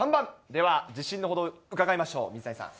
では、自信のほどを伺いましょう、水谷さん。